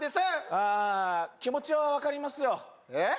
あー気持ちは分かりますよえっ？